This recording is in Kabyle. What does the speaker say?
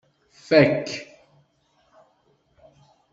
Fak.